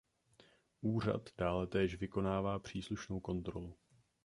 Úřad dále též vykonává příslušnou kontrolu.